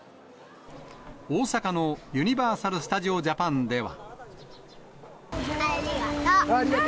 大阪のユニバーサル・スタジオ・ジャパンでは。